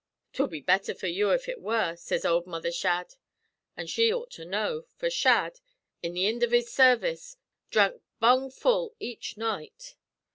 ''Twud be better for you if ut were,' sez ould Mother Shadd. An' she had ought to know, for Shadd, in the ind av his service, dhrank bung full each night.